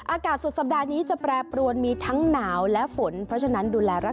อากาศสุดสัปดาห์นี้จะแปรปรวนมีทั้งหนาวและฝน